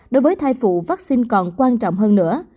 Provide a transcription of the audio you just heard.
đối với thai phụ vaccine còn quan trọng hơn nữa